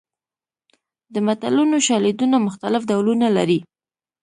د متلونو شالیدونه مختلف ډولونه لري